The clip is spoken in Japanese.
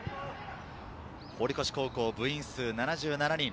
堀越高校、部員数７７人。